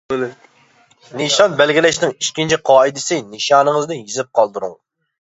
نىشان بەلگىلەشنىڭ ئىككىنچى قائىدىسى نىشانىڭىزنى يېزىپ قالدۇرۇڭ.